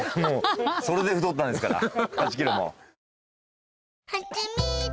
それで太ったんですから８ｋｇも。